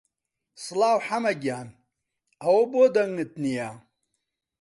سڵاو حەمە گیان، ئەوە بۆ دەنگت نییە؟